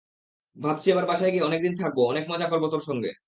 ভাবছি এবার বাসায় গিয়ে অনেক দিন থাকব, অনেক মজা করব তোর সঙ্গে।